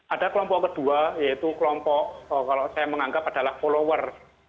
ada kelompok kedua yaitu kelompok kalau saya menganggap adalah follower